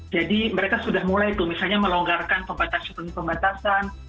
jadi mereka sudah mulai tuh misalnya melonggarkan pembatasan pembatasan